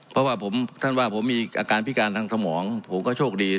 เพราะว่าท่านว่าผมมีอาการพิการทางสมองผมก็โชคดี